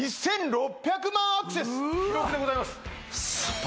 １６００万アクセス記録でございます